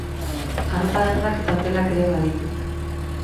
Arropa dendak eta hotelak ere baditu.